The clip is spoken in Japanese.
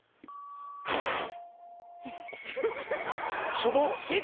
しょぼっ。